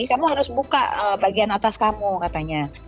kamu harus buka bagian atas kamu katanya